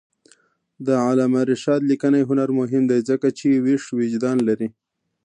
د علامه رشاد لیکنی هنر مهم دی ځکه چې ویښ وجدان لري.